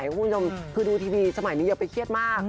คุณผู้ชมคือดูทีวีสมัยนี้อย่าไปเครียดมาก